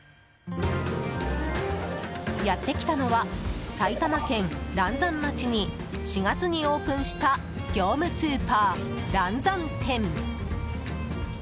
やってきたのは埼玉県嵐山町に４月にオープンした業務スーパー嵐山店。